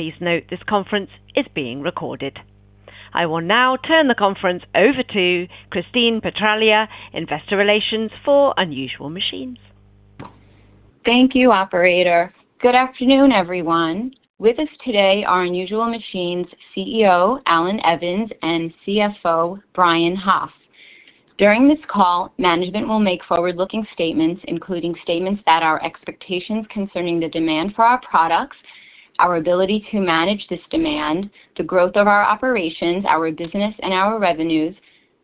Please note this conference is being recorded. I will now turn the conference over to Christine Petraglia, investor relations for Unusual Machines. Thank you, operator. Good afternoon, everyone. With us today are Unusual Machines CEO, Allan Evans, and CFO, Brian Hoff. During this call, management will make forward-looking statements, including statements that are expectations concerning the demand for our products, our ability to manage this demand, the growth of our operations, our business, and our revenues,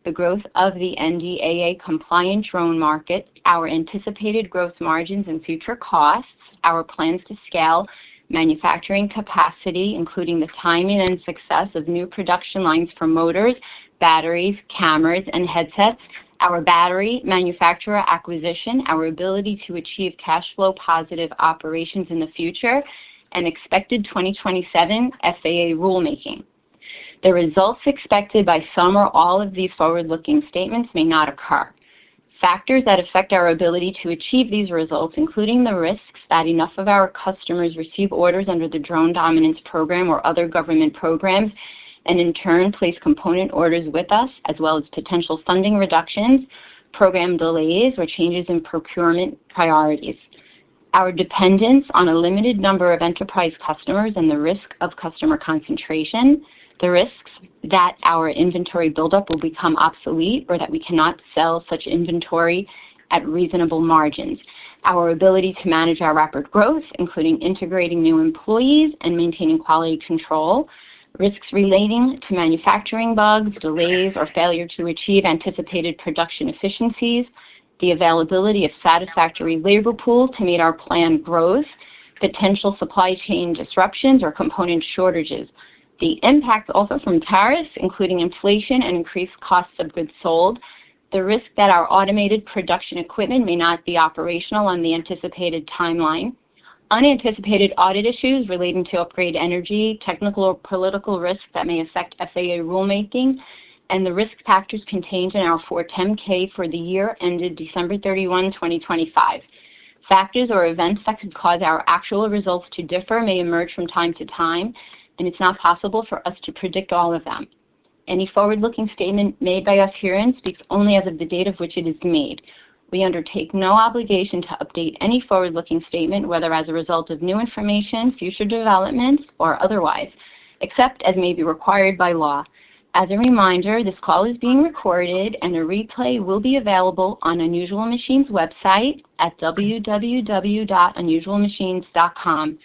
the growth of the NDAA compliant drone market, Our anticipated growth margins and future costs, our plans to scale manufacturing capacity, including the timing and success of new production lines for motors, batteries, cameras, and headsets, our battery manufacturer acquisition, our ability to achieve cash flow positive operations in the future, and expected 2027 FAA rulemaking. The results expected by some or all of these forward-looking statements may not occur. Factors that affect our ability to achieve these results, including the risks that enough of our customers receive orders under the Drone Dominance program or other government programs, and in turn place component orders with us, as well as potential funding reductions, program delays, or changes in procurement priorities. Our dependence on a limited number of enterprise customers and the risk of customer concentration, the risks that our inventory buildup will become obsolete or that we cannot sell such inventory at reasonable margins. Our ability to manage our rapid growth, including integrating new employees and maintaining quality control, risks relating to manufacturing bugs, delays, or failure to achieve anticipated production efficiencies, the availability of satisfactory labor pool to meet our planned growth, potential supply chain disruptions or component shortages. The impact also from tariffs, including inflation and increased costs of goods sold, the risk that our automated production equipment may not be operational on the anticipated timeline, unanticipated audit issues relating to Upgrade Energy, technical or political risks that may affect FAA rulemaking, and the risk factors contained in our Form 10-K for the year ended December 31st, 2025. Factors or events that could cause our actual results to differ may emerge from time to time. It's not possible for us to predict all of them. Any forward-looking statement made by us herein speaks only as of the date of which it is made. We undertake no obligation to update any forward-looking statement, whether as a result of new information, future developments, or otherwise, except as may be required by law. As a reminder, this call is being recorded and a replay will be available on Unusual Machines website at www.unusualmachines.com.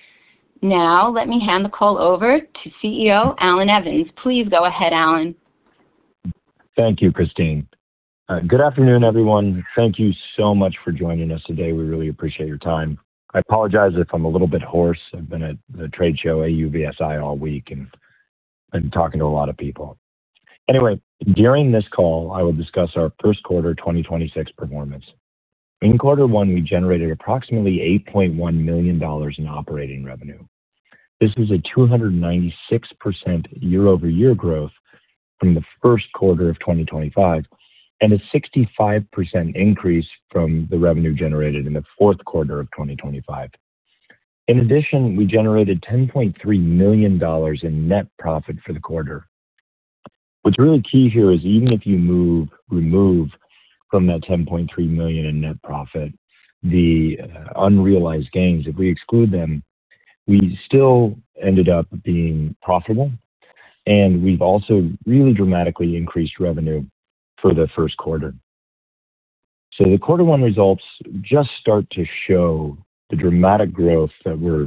Now, let me hand the call over to CEO, Allan Evans. Please go ahead, Allan. Thank you, Christine. Good afternoon, everyone. Thank you so much for joining us today. We really appreciate your time. I apologize if I'm a little bit hoarse. I've been at the trade show AUVSI all week, and I'm talking to a lot of people. Anyway, during this call, I will discuss our Q1 2026 performance. In Q1, we generated approximately $8.1 million in operating revenue. This is a 296% year-over-year growth from the Q1 of 2025, and a 65% increase from the revenue generated in the Q4 of 2025. In addition, we generated $10.3 million in net profit for the quarter. What's really key here is even if you remove from that $10.3 million in net profit, the unrealized gains, if we exclude them, we still ended up being profitable. We've also really dramatically increased revenue for the Q1. The Q1 results just start to show the dramatic growth that we're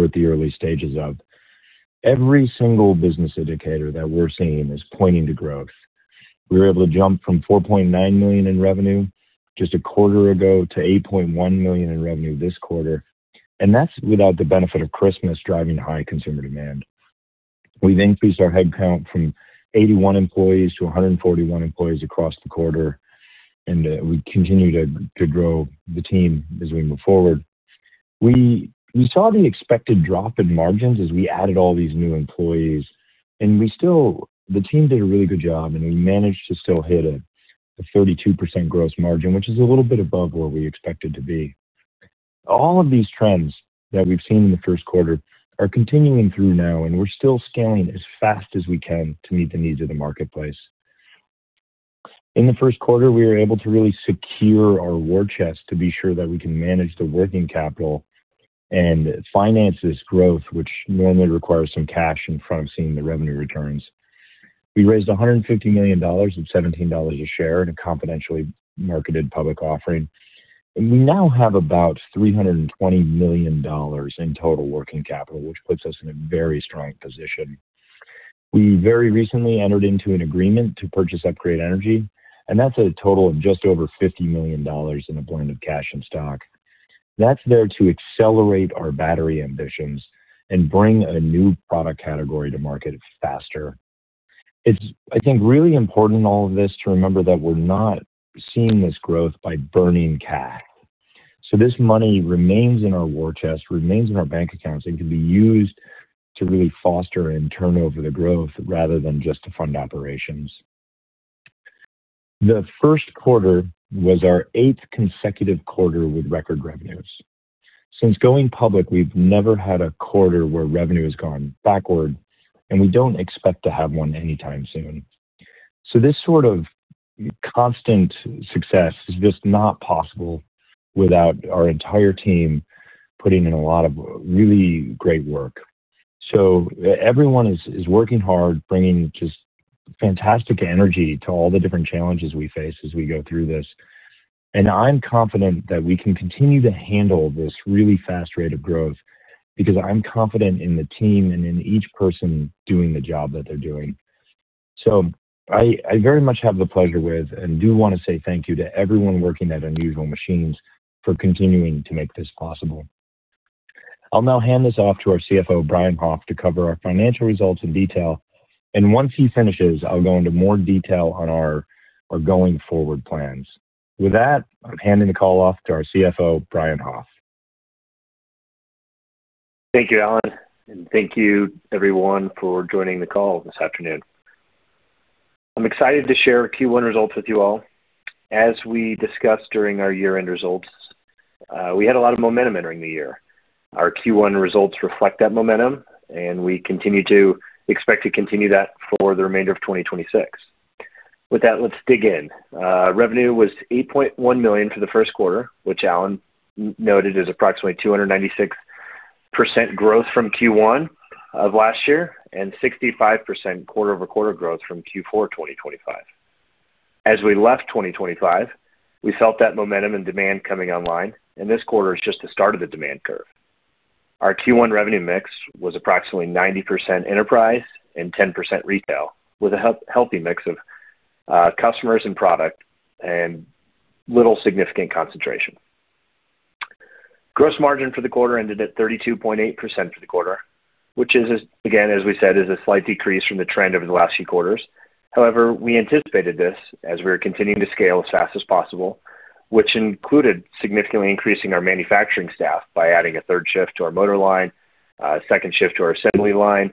at the early stages of. Every single business indicator that we're seeing is pointing to growth. We were able to jump from $4.9 million in revenue just a quarter ago to $8.1 million in revenue this quarter. That's without the benefit of Christmas driving high consumer demand. We've increased our headcount from 81 employees to 141 employees across the quarter. We continue to grow the team as we move forward. We saw the expected drop in margins as we added all these new employees, and the team did a really good job, and we managed to still hit a 32% gross margin, which is a little bit above where we expected to be. All of these trends that we've seen in the Q1 are continuing through now, and we're still scaling as fast as we can to meet the needs of the marketplace. In the Q1, we were able to really secure our war chest to be sure that we can manage the working capital and finance this growth, which normally requires some cash in front of seeing the revenue returns. We raised $150 million at $17 a share in a confidentially marketed public offering. We now have about $320 million in total working capital, which puts us in a very strong position. We very recently entered into an agreement to purchase Upgrade Energy, that's a total of just over $50 million in a blend of cash and stock. That's there to accelerate our battery ambitions and bring a new product category to market faster. It's, I think, really important in all of this to remember that we're not seeing this growth by burning cash. This money remains in our war chest, remains in our bank accounts, and can be used to really foster and turn over the growth rather than just to fund operations. The Q1 was our eighth consecutive quarter with record revenues. Since going public, we've never had a quarter where revenue has gone backward, and we don't expect to have one anytime soon. This sort of constant success is just not possible without our entire team putting in a lot of really great work. Everyone is working hard, bringing just fantastic energy to all the different challenges we face as we go through this. I'm confident that we can continue to handle this really fast rate of growth because I'm confident in the team and in each person doing the job that they're doing. I very much have the pleasure with and do wanna say thank you to everyone working at Unusual Machines for continuing to make this possible. I'll now hand this off to our CFO, Brian Hoff, to cover our financial results in detail. Once he finishes, I'll go into more detail on our going forward plans. With that, I'm handing the call off to our CFO, Brian Hoff. Thank you, Allan, and thank you everyone for joining the call this afternoon. I'm excited to share our Q1 results with you all. As we discussed during our year-end results, we had a lot of momentum entering the year. Our Q1 results reflect that momentum, and we continue to expect to continue that for the remainder of 2026. With that, let's dig in. Revenue was $8.1 million for the Q1, which Allan noted as approximately 296% growth from Q1 of last year, and 65% quarter-over-quarter growth from Q4 2025. As we left 2025, we felt that momentum and demand coming online, and this quarter is just the start of the demand curve. Our Q1 revenue mix was approximately 90% enterprise and 10% retail, with a healthy mix of customers and product and little significant concentration. Gross margin for the quarter ended at 32.8% for the quarter, which is as we said, is a slight decrease from the trend over the last few quarters. However, we anticipated this as we are continuing to scale as fast as possible, which included significantly increasing our manufacturing staff by adding a third shift to our motor line, a second shift to our assembly line,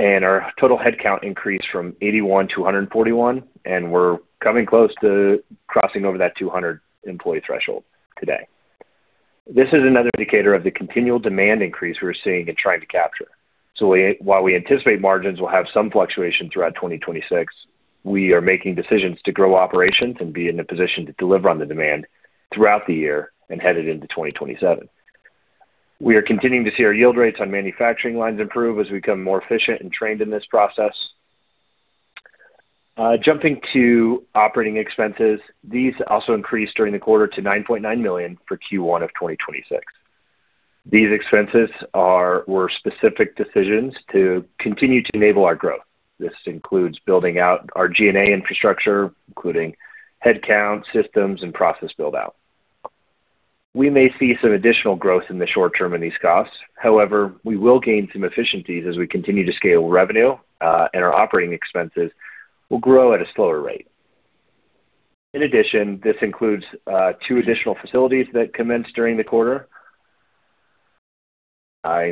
and our total headcount increased from 81 to 141, and we're coming close to crossing over that 200 employee threshold today. This is another indicator of the continual demand increase we're seeing and trying to capture. While we anticipate margins will have some fluctuation throughout 2026, we are making decisions to grow operations and be in a position to deliver on the demand throughout the year and headed into 2027. We are continuing to see our yield rates on manufacturing lines improve as we become more efficient and trained in this process. Jumping to operating expenses, these also increased during the quarter to $9.9 million for Q1 of 2026. These expenses were specific decisions to continue to enable our growth. This includes building out our G&A infrastructure, including headcount, systems, and process build-out. We may see some additional growth in the short term in these costs. However, we will gain some efficiencies as we continue to scale revenue, and our operating expenses will grow at a slower rate. In addition, this includes two additional facilities that commenced during the quarter,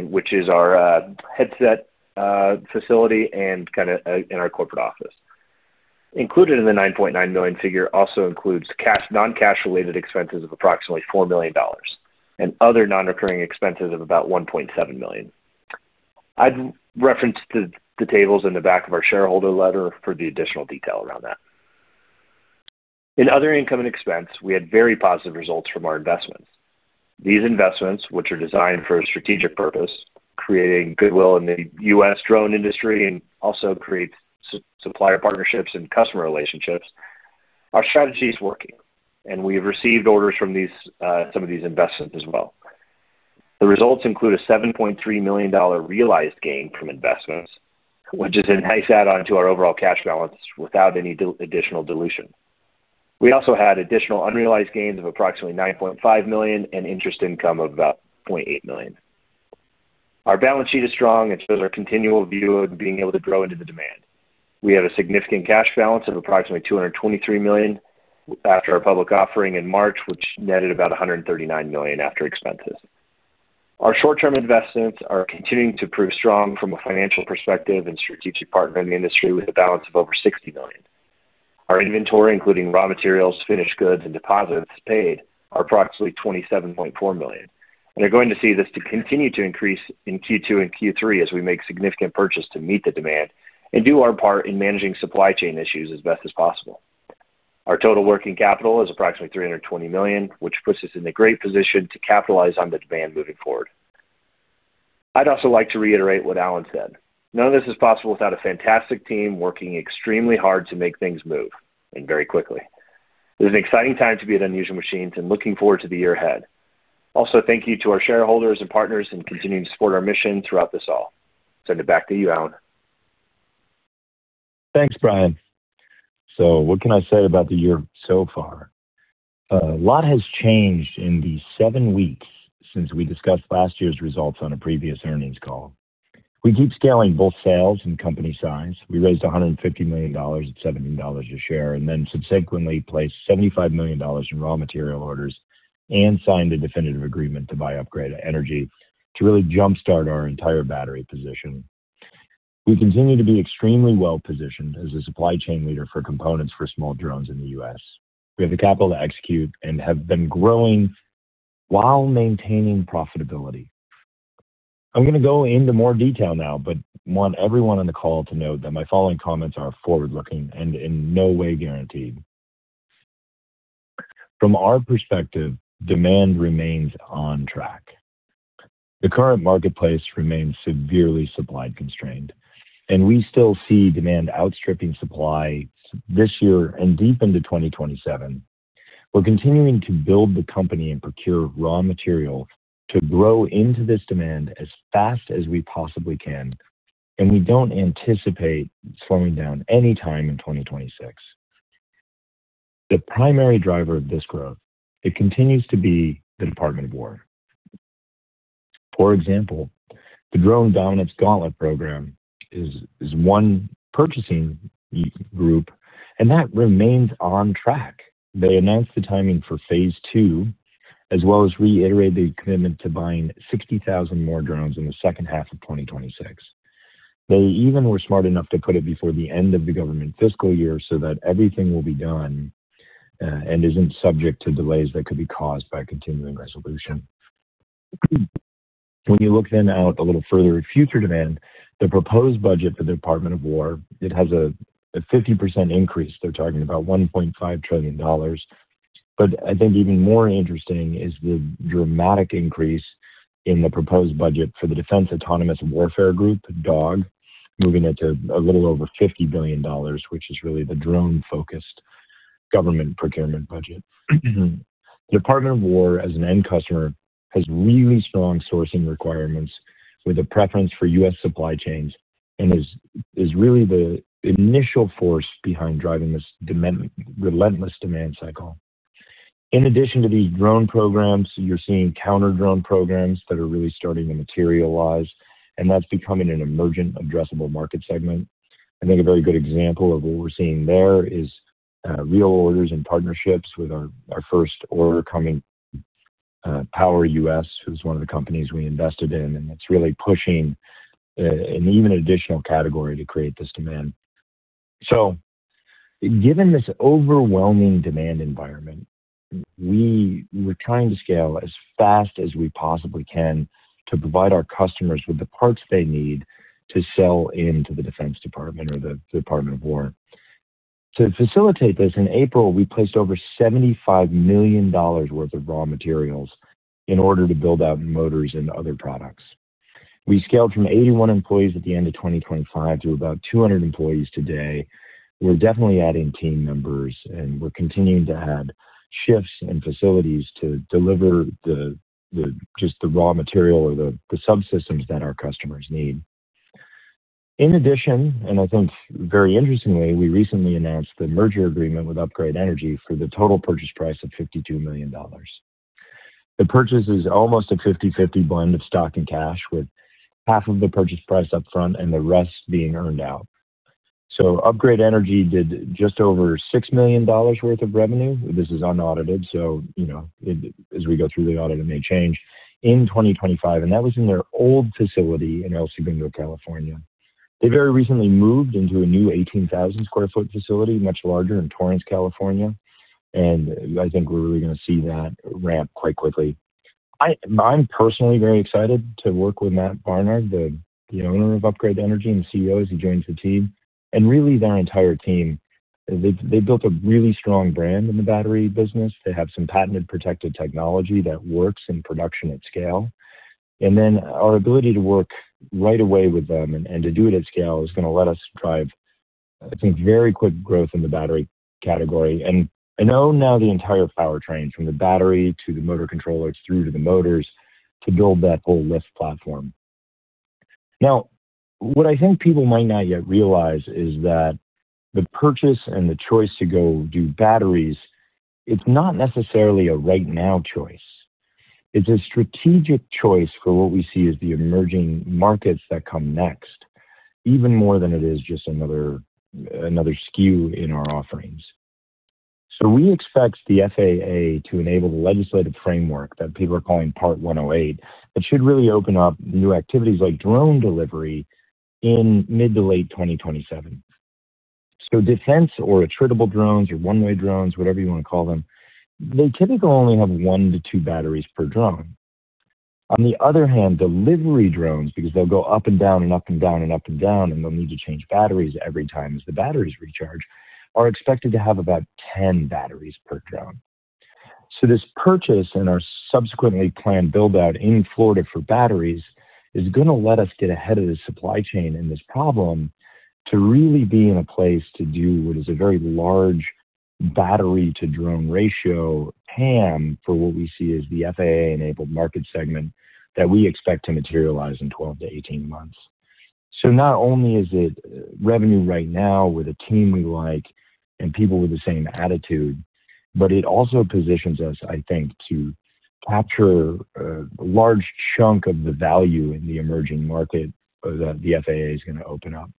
which is our headset facility and kinda in our corporate office. Included in the $9.9 million figure also includes cash, non-cash-related expenses of approximately $4 million and other non-recurring expenses of about $1.7 million. I'd reference the tables in the back of our shareholder letter for the additional detail around that. In other income and expense, we had very positive results from our investments. These investments, which are designed for a strategic purpose, creating goodwill in the U.S. drone industry and also create supplier partnerships and customer relationships, our strategy is working, and we have received orders from some of these investments as well. The results include a $7.3 million realized gain from investments, which is a nice add-on to our overall cash balance without any additional dilution. We also had additional unrealized gains of approximately $9.5 million and interest income of about $0.8 million. Our balance sheet is strong and shows our continual view of being able to grow into the demand. We have a significant cash balance of approximately $223 million after our public offering in March, which netted about $139 million after expenses. Our short-term investments are continuing to prove strong from a financial perspective and strategic partnering industry with a balance of over $60 million. Our inventory, including raw materials, finished goods, and deposits paid, are approximately $27.4 million. You're going to see this to continue to increase in Q2 and Q3 as we make significant purchase to meet the demand and do our part in managing supply chain issues as best as possible. Our total working capital is approximately $320 million, which puts us in a great position to capitalize on the demand moving forward. I'd also like to reiterate what Allan said. None of this is possible without a fantastic team working extremely hard to make things move, and very quickly. It is an exciting time to be at Unusual Machines and looking forward to the year ahead. Thank you to our shareholders and partners in continuing to support our mission throughout this all. Send it back to you, Allan. Thanks, Brian. What can I say about the year so far? A lot has changed in the seven weeks since we discussed last year's results on a previous earnings call. We keep scaling both sales and company size. We raised $150 million at $17 a share, then subsequently placed $75 million in raw material orders and signed a definitive agreement to buy Upgrade Energy to really jumpstart our entire battery position. We continue to be extremely well-positioned as a supply chain leader for components for small drones in the U.S. We have the capital to execute and have been growing while maintaining profitability. I'm gonna go into more detail now, but want everyone on the call to note that my following comments are forward-looking and in no way guaranteed. From our perspective, demand remains on track. The current marketplace remains severely supply constrained, and we still see demand outstripping supply this year and deep into 2027. We're continuing to build the company and procure raw material to grow into this demand as fast as we possibly can, and we don't anticipate slowing down any time in 2026. The primary driver of this growth, it continues to be the Department of War. For example, the Drone Dominance Gauntlet program is one purchasing group, and that remains on track. They announced the timing for phase II, as well as reiterated the commitment to buying 60,000 more drones in the second half of 2026. They even were smart enough to put it before the end of the government fiscal year so that everything will be done, and isn't subject to delays that could be caused by continuing resolution. When you look out a little further at future demand, the proposed budget for the Department of War, it has a 50% increase. They're talking about $1.5 trillion. I think even more interesting is the dramatic increase in the proposed budget for the Defense Autonomous Warfare Group, DAWG, moving it to a little over $50 billion, which is really the drone-focused government procurement budget. Department of War, as an end customer, has really strong sourcing requirements with a preference for U.S. supply chains and is really the initial force behind driving this demand, relentless demand cycle. In addition to these drone programs, you're seeing counter-drone programs that are really starting to materialize, and that's becoming an emergent addressable market segment. I think a very good example of what we're seeing there is real orders and partnerships with our first order coming, Powerus, who's one of the companies we invested in. That's really pushing an even additional category to create this demand. Given this overwhelming demand environment, we're trying to scale as fast as we possibly can to provide our customers with the parts they need to sell into the Defense Department or the Department of War. To facilitate this, in April, we placed over $75 million worth of raw materials in order to build out motors and other products. We scaled from 81 employees at the end of 2025 to about 200 employees today. We're definitely adding team members, and we're continuing to add shifts and facilities to deliver the just the raw material or the subsystems that our customers need. In addition, and I think very interestingly, we recently announced the merger agreement with Upgrade Energy for the total purchase price of $52 million. The purchase is almost a 50/50 blend of stock and cash, with half of the purchase price up front and the rest being earned out. Upgrade Energy did just over $6 million worth of revenue. This is unaudited, so, you know, it, as we go through the audit, it may change, in 2025, and that was in their old facility in El Segundo, California. They very recently moved into a new 18,000 sq ft facility, much larger, in Torrance, California, and I think we're really gonna see that ramp quite quickly. I'm personally very excited to work with Matt Barnard, the owner of Upgrade Energy and CEO, as he joins the team, and really their entire team. They built a really strong brand in the battery business. They have some patented, protected technology that works in production at scale. Our ability to work right away with them and to do it at scale is gonna let us drive, I think, very quick growth in the battery category. I own now the entire powertrain, from the battery to the motor controllers through to the motors, to build that whole lift platform. What I think people might not yet realize is that the purchase and the choice to go do batteries, it's not necessarily a right now choice. It's a strategic choice for what we see as the emerging markets that come next, even more than it is just another SKU in our offerings. We expect the FAA to enable the legislative framework that people are calling Part 108. It should really open up new activities like drone delivery in mid to late 2027. Defense or attritable drones or one-way drones, whatever you wanna call them, they typically only have one-to-two batteries per drone. On the other hand, delivery drones, because they'll go up and down and up and down and up and down, and they'll need to change batteries every time as the batteries recharge, are expected to have about 10 batteries per drone. This purchase and our subsequently planned build-out in Florida for batteries is gonna let us get ahead of the supply chain in this problem to really be in a place to do what is a very large battery-to-drone ratio TAM for what we see as the FAA-enabled market segment that we expect to materialize in 12 to 18 months. Not only is it revenue right now with a team we like and people with the same attitude, but it also positions us, I think, to capture a large chunk of the value in the emerging market that the FAA is gonna open up.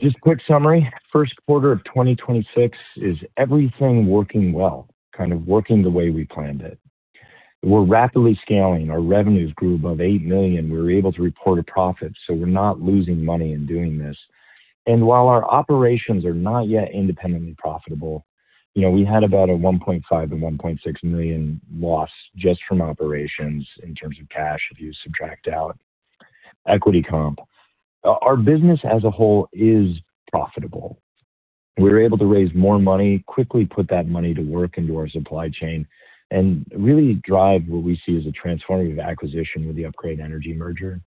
Just a quick summary. Q1 of 2026 is everything working well, kind of working the way we planned it. We're rapidly scaling. Our revenues grew above $8 million. We were able to report a profit, so we're not losing money in doing this. While our operations are not yet independently profitable, you know, we had about a $1.5 million-$1.6 million loss just from operations in terms of cash if you subtract out equity comp. Our business as a whole is profitable. We were able to raise more money, quickly put that money to work into our supply chain and really drive what we see as a transformative acquisition with the Upgrade Energy merger.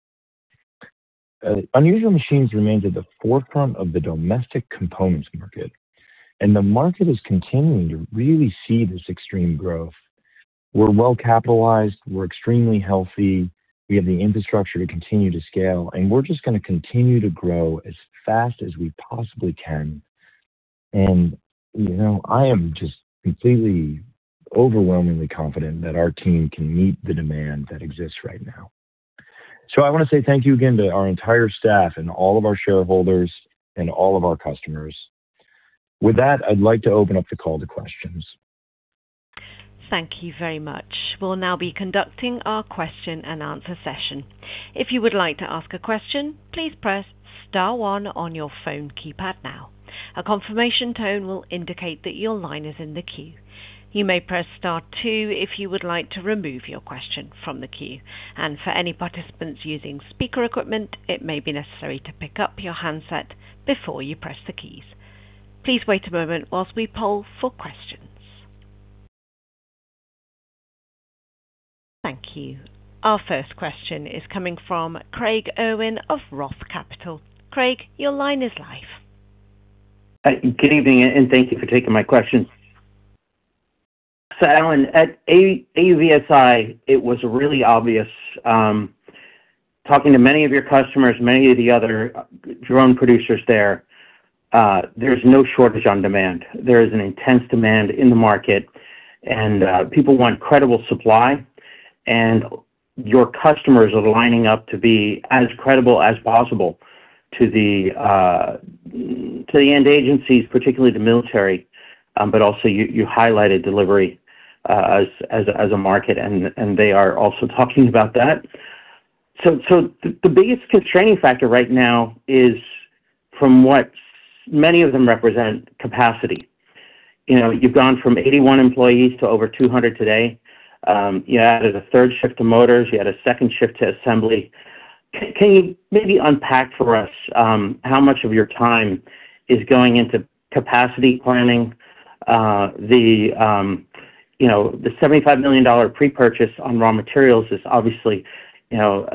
Unusual Machines remains at the forefront of the domestic components market, and the market is continuing to really see this extreme growth. We're well-capitalized. We're extremely healthy. We have the infrastructure to continue to scale, and we're just gonna continue to grow as fast as we possibly can. You know, I am just completely overwhelmingly confident that our team can meet the demand that exists right now. I want to say thank you again to our entire staff and all of our shareholders and all of our customers. With that, I'd like to open up the call to questions. Thank you very much. We'll now be conducting our question and answer session. If you would like to ask a question, please press star one on your phone keypad now. A confirmation tone will indicate that your line is in the queue. You may press star two if you would like to remove your question from the queue. For any participants using speaker equipment, it may be necessary to pick up your handset before you press the keys. Please wait a moment whilst we poll for questions. Thank you. Our first question is coming from Craig Irwin of ROTH Capital. Craig, your line is live. Good evening, and thank you for taking my question. Allan, at AUVSI, it was really obvious, talking to many of your customers, many of the other drone producers there's no shortage on demand. There is an intense demand in the market, and people want credible supply. Your customers are lining up to be as credible as possible to the end agencies, particularly the military. You, you highlighted delivery as, as a market, and they are also talking about that. The biggest constraining factor right now is from what many of them represent capacity. You know, you've gone from 81 employees to over 200 today. You added a third shift to motors. You added a second shift to assembly. Can you maybe unpack for us, how much of your time is going into capacity planning? The, you know, the $75 million pre-purchase on raw materials is obviously, you know,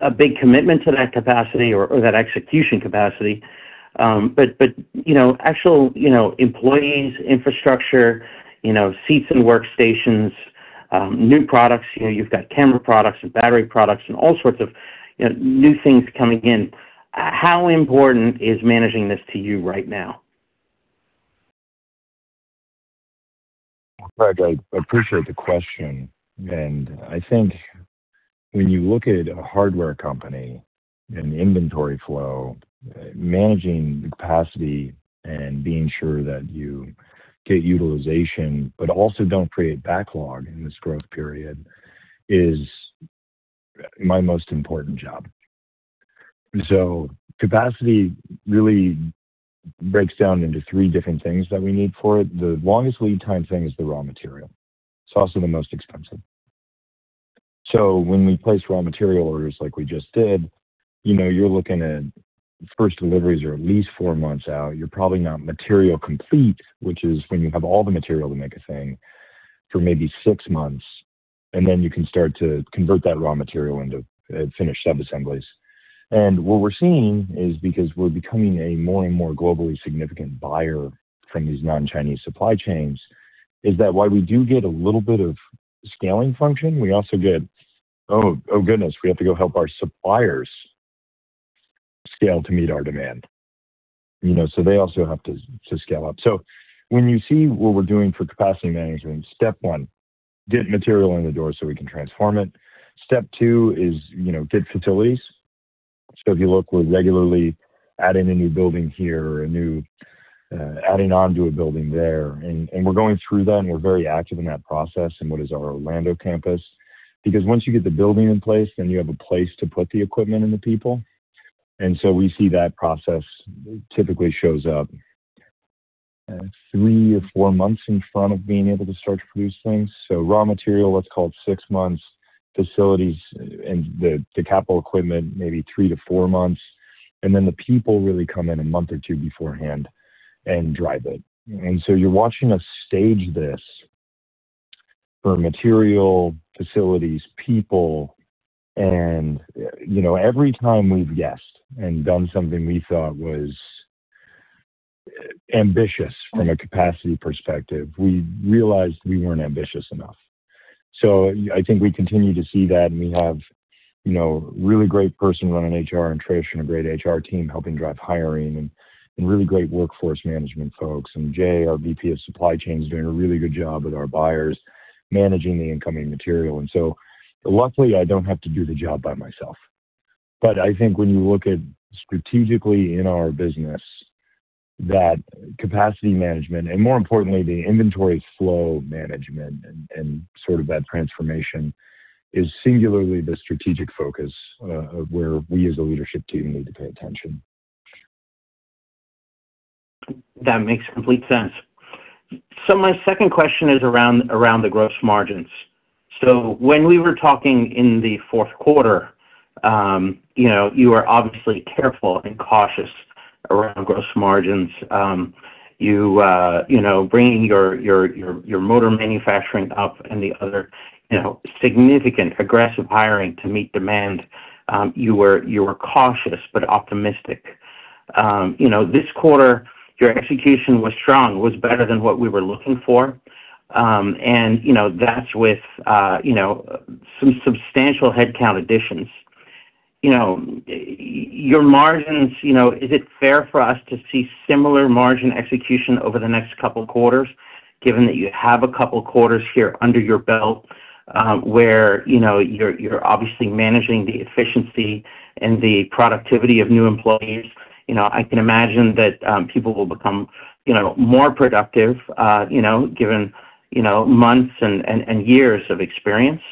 a big commitment to that capacity or that execution capacity. But, you know, actual, you know, employees, infrastructure, you know, seats and workstations, new products. You know, you've got camera products and battery products and all sorts of, you know, new things coming in. How important is managing this to you right now? Craig, I appreciate the question. I think when you look at a hardware company and the inventory flow, managing the capacity and being sure that you get utilization but also don't create backlog in this growth period is my most important job. Capacity really breaks down into three different things that we need for it. The longest lead time thing is the raw material. It's also the most expensive. When we place raw material orders like we just did, you know, you're looking at first deliveries are at least four months out. You're probably not material complete, which is when you have all the material to make a thing for maybe six months, and then you can start to convert that raw material into finished sub-assemblies. What we're seeing is because we're becoming a more and more globally significant buyer from these non-Chinese supply chains, is that while we do get a little bit of scaling function, we also get, "Oh, oh goodness, we have to go help our suppliers scale to meet our demand." You know, they also have to scale up. When you see what we're doing for capacity management, step 1, get material in the door so we can transform it. Step two is, you know, get facilities. If you look, we're regularly adding a new building here or a new, adding on to a building there. We're going through that, and we're very active in that process in what is our Orlando campus. Once you get the building in place, then you have a place to put the equipment and the people. We see that process typically shows up, three or four months in front of being able to start to produce things. Raw material, let's call it six months, facilities and the capital equipment, maybe three to four months, and then the people really come in one or two beforehand and drive it. You're watching us stage this for material, facilities, people. You know, every time we've guessed and done something we thought was ambitious from a capacity perspective, we realized we weren't ambitious enough. I think we continue to see that, and we have, you know, really great person running HR in Trish and a great HR team helping drive hiring and really great workforce management folks. Jay, our VP of supply chain, is doing a really good job with our buyers managing the incoming material. Luckily, I don't have to do the job by myself. I think when you look at strategically in our business that capacity management, and more importantly, the inventory flow management and sort of that transformation is singularly the strategic focus of where we as a leadership team need to pay attention. That makes complete sense. My second question is around the gross margins. When we were talking in the Q4, you know, you are obviously careful and cautious around gross margins. You, you know, bringing your motor manufacturing up and the other, you know, significant aggressive hiring to meet demand, you were cautious but optimistic. You know, this quarter your execution was strong, was better than what we were looking for. That's with, you know, some substantial headcount additions. You know, your margins, you know, is it fair for us to see similar margin execution over the next couple quarters, given that you have a couple quarters here under your belt, where, you know, you're obviously managing the efficiency and the productivity of new employees? You know, I can imagine that, people will become, you know, more productive, you know, given, you know, months and years of experience.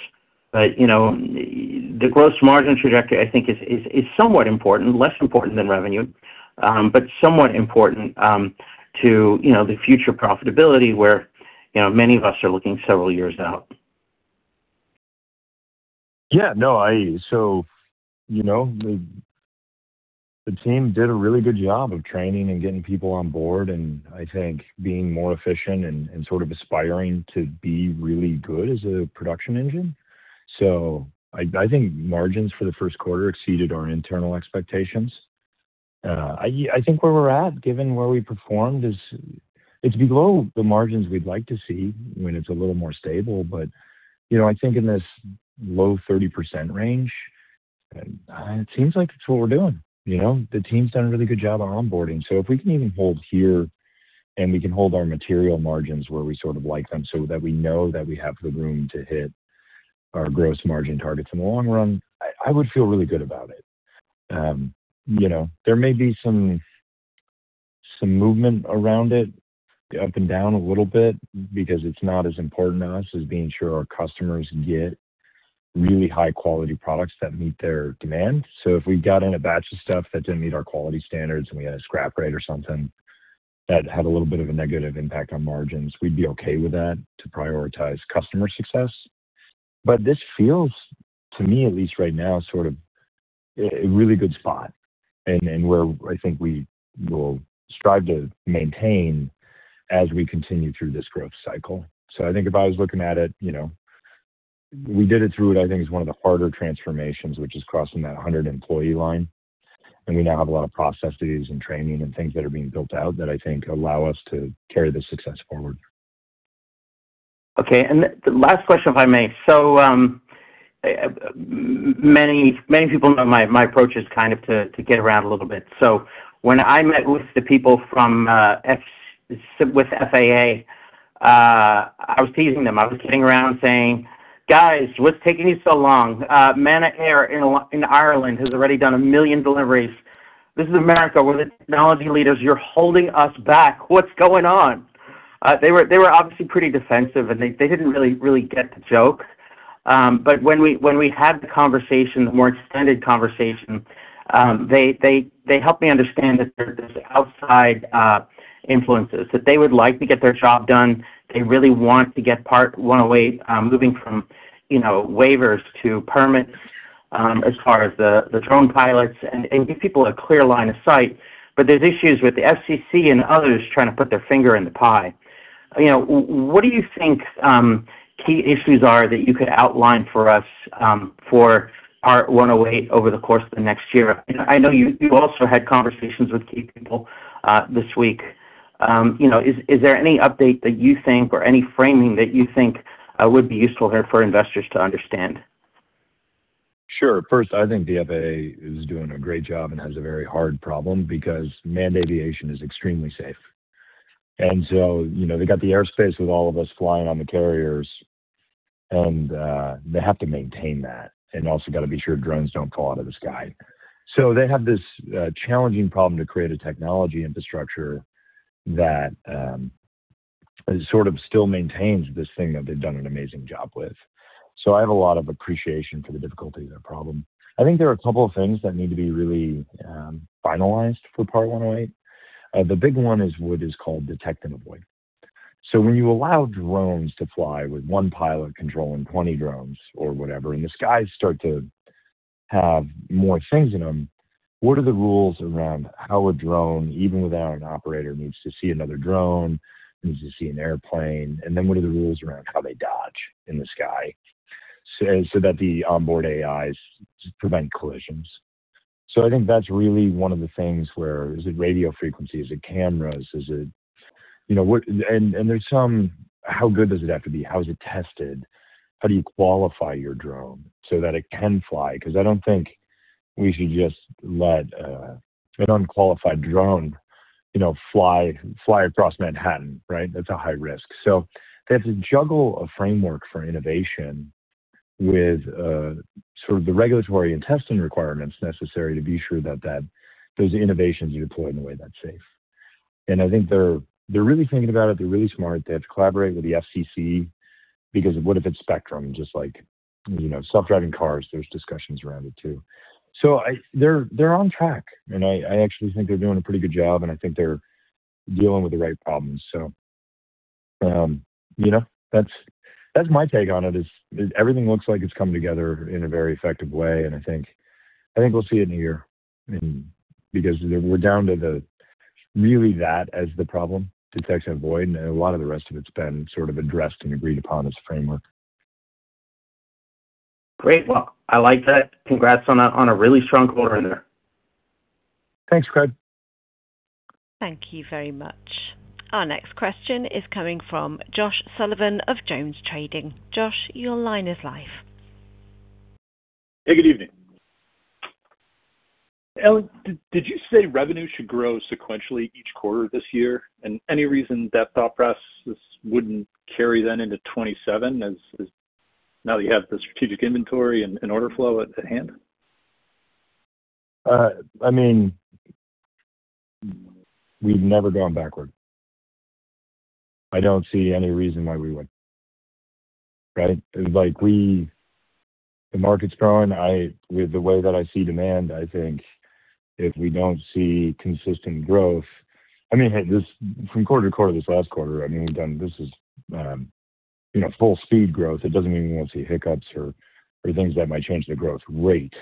You know, the gross margin trajectory I think is somewhat important, less important than revenue, but somewhat important, to, you know, the future profitability where, you know, many of us are looking several years out. Yeah, no, you know, the team did a really good job of training and getting people on board, and I think being more efficient and sort of aspiring to be really good as a production engine. I think margins for the Q1 exceeded our internal expectations. I think where we're at, given where we performed is it's below the margins we'd like to see when it's a little more stable. You know, I think in this low 30% range, it seems like it's what we're doing. You know. The team's done a really good job on onboarding. If we can even hold here, and we can hold our material margins where we sort of like them so that we know that we have the room to hit our gross margin targets in the long run, I would feel really good about it. You know, there may be some movement around it up and down a little bit because it's not as important to us as being sure our customers get really high quality products that meet their demand. If we got in a batch of stuff that didn't meet our quality standards and we had a scrap rate or something that had a little bit of a negative impact on margins, we'd be okay with that to prioritize customer success. This feels, to me at least right now, sort of a really good spot and where I think we will strive to maintain as we continue through this growth cycle. I think if I was looking at it, you know, we did it through what I think is one of the harder transformations, which is crossing that 100 employee line, and we now have a lot of processes and training and things that are being built out that I think allow us to carry the success forward. Okay. The last question, if I may. Many people know my approach is kind of to get around a little bit. When I met with the people from the FAA, I was teasing them. I was sitting around saying, "Guys, what's taking you so long? Manna Air Delivery in Ireland has already done 1 million deliveries. This is America. We're the technology leaders. You're holding us back. What's going on." They were obviously pretty defensive, and they didn't really get the joke. When we had the conversation, the more extended conversation, they helped me understand that there's these outside influences that they would like to get their job done. They really want to get Part 108, moving from, you know, waivers to permits, as far as the drone pilots and give people a clear line of sight. There's issues with the FCC and others trying to put their finger in the pie. You know, what do you think key issues are that you could outline for us for Part 108 over the course of the next year? I know you also had conversations with key people this week. You know, is there any update that you think or any framing that you think would be useful here for investors to understand? Sure. First, I think the FAA is doing a great job and has a very hard problem because manned aviation is extremely safe. You know, they got the airspace with all of us flying on the carriers, and they have to maintain that and also got to be sure drones don't fall out of the sky. They have this challenging problem to create a technology infrastructure that sort of still maintains this thing that they've done an amazing job with. I have a lot of appreciation for the difficulty of their problem. I think there are a couple of things that need to be really finalized for Part 108. The big one is what is called detect and avoid. When you allow drones to fly with one pilot controlling 20 drones or whatever, the skies start to have more things in them, what are the rules around how a drone, even without an operator, needs to see another drone, needs to see an airplane? What are the rules around how they dodge in the sky so that the onboard AIs prevent collisions? I think that's really one of the things where is it radio frequency? Is it cameras? Is it, you know, what. There's some, how good does it have to be? How is it tested? How do you qualify your drone so that it can fly? Because I don't think we should just let an unqualified drone, you know, fly across Manhattan, right? That's a high risk. They have to juggle a framework for innovation with sort of the regulatory and testing requirements necessary to be sure that those innovations are deployed in a way that's safe. I think they're really thinking about it. They're really smart. They have to collaborate with the FCC because of what if it's spectrum, just like, you know, self-driving cars, there's discussions around it too. They're on track, and I actually think they're doing a pretty good job, and I think they're dealing with the right problems. You know, that's my take on it, is everything looks like it's coming together in a very effective way, and I think we'll see it in a year. Because we're down to the really that as the problem, detect and avoid, and a lot of the rest of it's been sort of addressed and agreed upon as a framework. Great. Well, I like that. Congrats on a really strong quarter there. Thanks, Craig. Thank you very much. Our next question is coming from Josh Sullivan of JonesTrading. Josh, your line is live. Hey, good evening. Allan, did you say revenue should grow sequentially each quarter this year? Any reason that thought process wouldn't carry then into 2027 as now that you have the strategic inventory and order flow at hand? I mean, we've never gone backward. I don't see any reason why we would, right? Like, the market's growing. With the way that I see demand, I think if we don't see consistent growth, I mean, from quarter-to-quarter, this last quarter, I mean, this is, you know, full speed growth. It doesn't mean we won't see hiccups or things that might change the growth rate.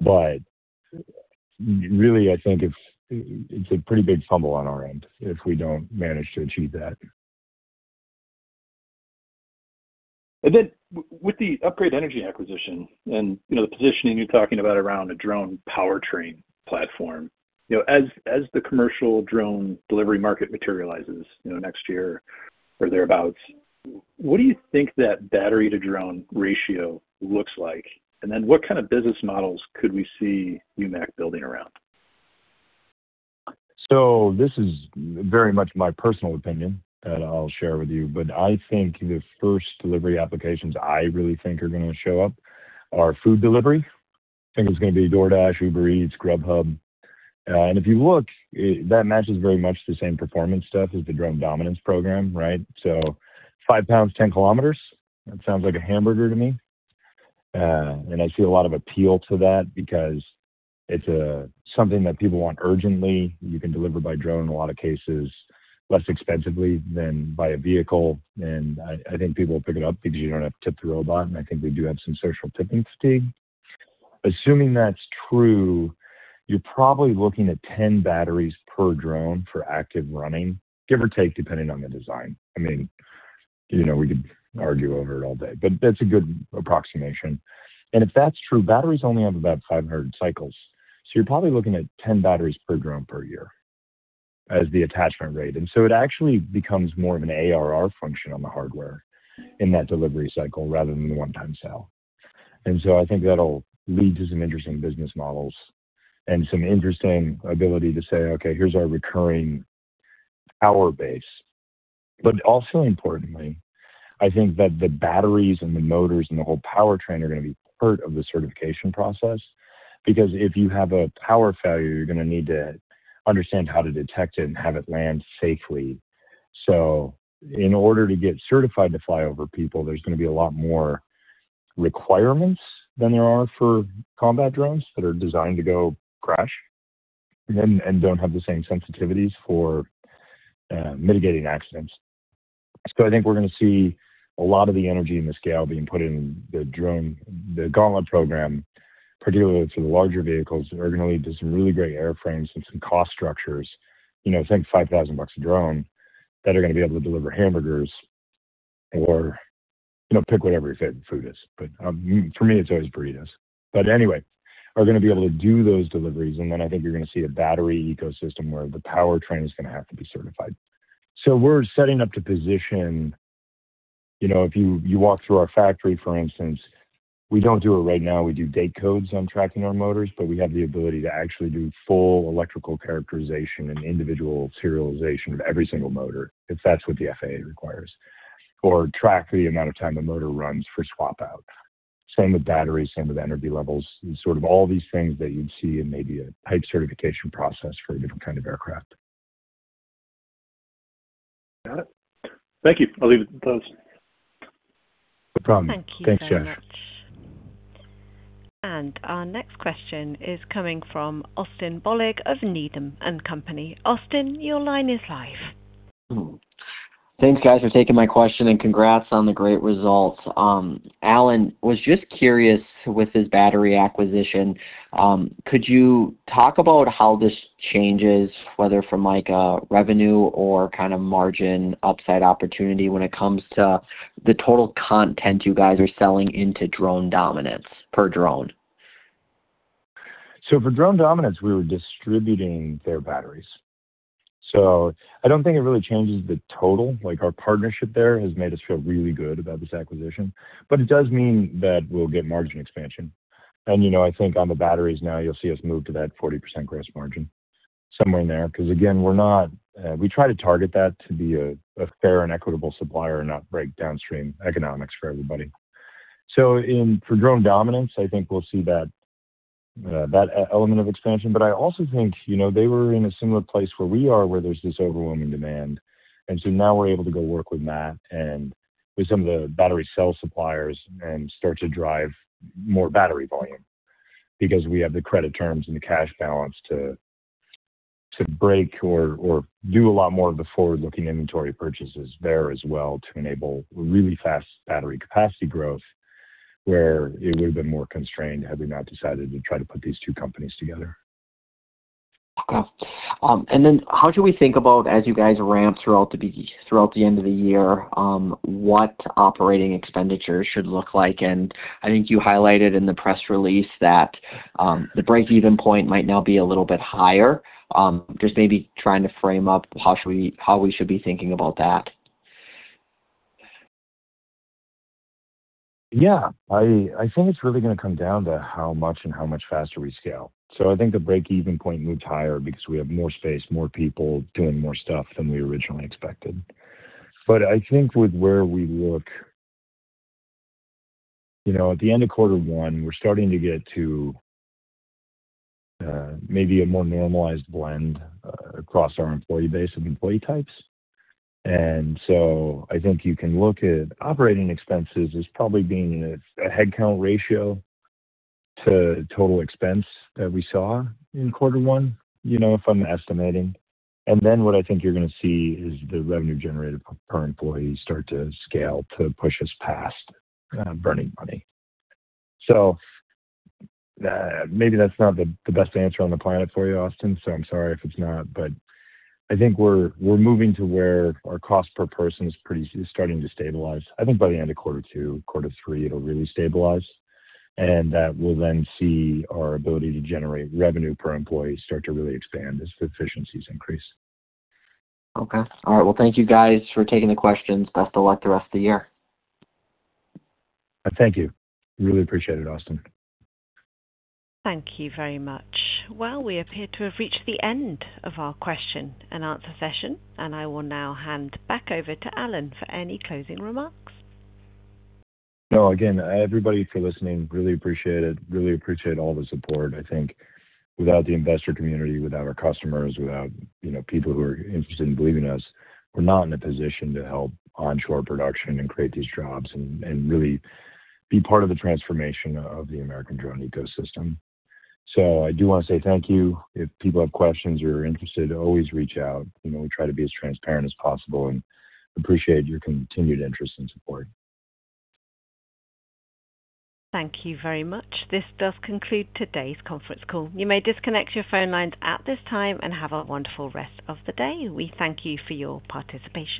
Really, I think it's a pretty big fumble on our end if we don't manage to achieve that. With the Upgrade Energy acquisition and, you know, the positioning you're talking about around a drone powertrain platform, you know, as the commercial drone delivery market materializes, you know, next year or thereabouts, what do you think that battery-to-drone ratio looks like? What kind of business models could we see UMAC building around? This is very much my personal opinion that I'll share with you, but I think the first delivery applications I really think are going to show up are food delivery. I think it's going to be DoorDash, Uber Eats, Grubhub. If you look, that matches very much the same performance stuff as the Drone Dominance program, right? five pounds, 10 km, that sounds like a hamburger to me. I see a lot of appeal to that because it's something that people want urgently. You can deliver by drone in a lot of cases less expensively than by a vehicle. I think people will pick it up because you don't have to tip the robot, and I think we do have some social tipping fatigue. Assuming that's true, you're probably looking at 10 batteries per drone for active running, give or take, depending on the design. I mean, you know, we could argue over it all day, but that's a good approximation. If that's true, batteries only have about 500 cycles, so you're probably looking at 10 batteries per drone per year as the attachment rate. It actually becomes more of an ARR function on the hardware in that delivery cycle rather than the one-time sale. I think that'll lead to some interesting business models and some interesting ability to say, "Okay, here's our recurring power base." Also importantly, I think that the batteries and the motors and the whole powertrain are going to be part of the certification process because if you have a power failure, you're going to need to understand how to detect it and have it land safely. In order to get certified to fly over people, there's going to be a lot more requirements than there are for combat drones that are designed to go crash and don't have the same sensitivities for mitigating accidents. I think we're going to see a lot of the energy and the scale being put in the Gauntlet program, particularly for the larger vehicles, are going to lead to some really great airframes and some cost structures. You know, think $5,000 a drone that are going to be able to deliver hamburgers or, you know, pick whatever your favorite food is. For me, it's always burritos. Anyway, are going to be able to do those deliveries, and then I think you're going to see a battery ecosystem where the powertrain is going to have to be certified. We're setting up to position You know, if you walk through our factory, for instance, we don't do it right now. We do date codes on tracking our motors, but we have the ability to actually do full electrical characterization and individual serialization of every single motor if that's what the FAA requires, or track the amount of time the motor runs for swap out. Same with batteries, same with energy levels, and sort of all these things that you'd see in maybe a type certification process for a different kind of aircraft. Got it. Thank you. I'll leave it at those. No problem. Thank you very much. Thanks, Josh. Our next question is coming from Austin Bohlig of Needham & Company. Austin, your line is live. Thanks, guys, for taking my question, and congrats on the great results. Allan, I was just curious with this battery acquisition, could you talk about how this changes, whether from like a revenue or kind of margin upside opportunity when it comes to the total content you guys are selling into Drone Dominance per drone? For Drone Dominance, we were distributing their batteries. I don't think it really changes the total, like our partnership there has made us feel really good about this acquisition. It does mean that we'll get margin expansion. You know, I think on the batteries now, you'll see us move to that 40% gross margin, somewhere in there. 'Cause again, we're not, we try to target that to be a fair and equitable supplier and not break downstream economics for everybody. For Drone Dominance, I think we'll see that element of expansion. I also think, you know, they were in a similar place where we are, where there's this overwhelming demand. Now we're able to go work with Matt and with some of the battery cell suppliers and start to drive more battery volume because we have the credit terms and the cash balance to break or do a lot more of the forward-looking inventory purchases there as well to enable really fast battery capacity growth, where it would've been more constrained had we not decided to try to put these two companies together. Okay. How should we think about as you guys ramp throughout the end of the year, what operating expenditures should look like? I think you highlighted in the press release that the break-even point might now be a little bit higher. Just maybe trying to frame up how we should be thinking about that. Yeah. I think it's really gonna come down to how much and how much faster we scale. I think the break-even point moves higher because we have more space, more people doing more stuff than we originally expected. I think with where we look, you know, at the end of Q1, we're starting to get to maybe a more normalized blend across our employee base of employee types. I think you can look at operating expenses as probably being a headcount ratio to total expense that we saw in Q1, you know, if I'm estimating. What I think you're gonna see is the revenue generated per employee start to scale to push us past burning money. Maybe that's not the best answer on the planet for you, Austin, so I'm sorry if it's not. I think we're moving to where our cost per person is pretty starting to stabilize. I think by the end of Q2, Q3, it'll really stabilize, and that we'll then see our ability to generate revenue per employee start to really expand as efficiencies increase. Okay. All right. Well, thank you guys for taking the questions. Best of luck the rest of the year. Thank you. Really appreciate it, Austin. Thank you very much. Well, we appear to have reached the end of our question and answer session, and I will now hand back over to Allan for any closing remarks. No, again, everybody for listening, really appreciate it. Really appreciate all the support. I think without the investor community, without our customers, without, you know, people who are interested in believing us, we're not in a position to help onshore production and create these jobs and really be part of the transformation of the American drone ecosystem. I do want to say thank you. If people have questions or are interested, always reach out. You know, we try to be as transparent as possible and appreciate your continued interest and support. Thank you very much. This does conclude today's conference call. You may disconnect your phone lines at this time and have a wonderful rest of the day. We thank you for your participation.